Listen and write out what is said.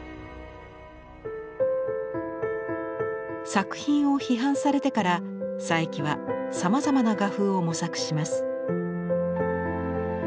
作品を批判されてから佐伯はさまざまな画風を模索します。